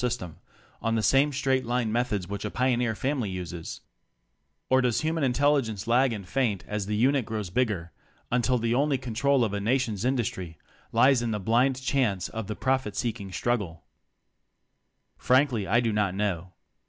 system on the same straight line methods which a pioneer family uses? Or does human intelligence lag and faint as the unit grows bigger, until the onl/ control of a nat"on\ «'?""'"''■"'^^"'"^^^^^^ profit s:ekTng Frankly I do not know.